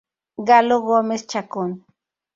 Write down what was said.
Galo Gómez Chacón.